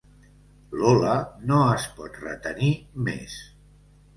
Lola no es pot retenir més.